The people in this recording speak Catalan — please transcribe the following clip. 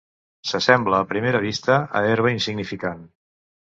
S'assembla a primera vista a herba insignificant.